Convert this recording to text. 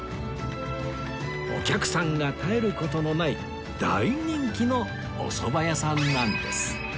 お客さんが絶える事のない大人気のおそば屋さんなんです